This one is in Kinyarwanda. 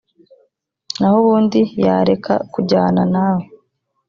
naho ubundi, yareka kujyana nawe.